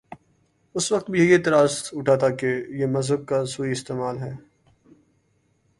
اس وقت بھی یہ اعتراض اٹھا تھاکہ یہ مذہب کا سوئ استعمال ہے۔